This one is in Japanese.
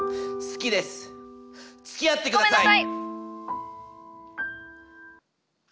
好きですつきあってください。